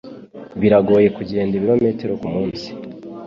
Biragoye kugenda ibirometero kumunsi.